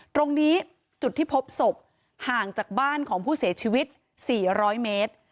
ตรงนี้จุดที่พบศพห่างจากบ้านของผู้เสียชีวิต๔๐๐เมตร